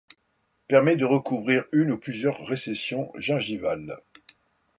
Permet de recouvrir une ou plusieurs récessions gingivales.